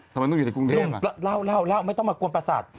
ทำไมต้องอยู่ในกรุงเทพเล่าเล่าไม่ต้องมากวนประสาท